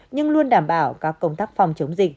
nhưng luôn đảm bảo các công tác phòng chống dịch